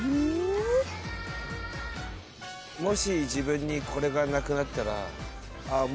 もし自分にこれがなくなったらあ